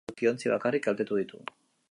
Suak bi edukiontzi bakarrik kaltetu ditu.